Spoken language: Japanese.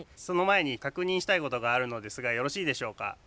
その前に確認したいことがあるのですがよろしいでしょうか？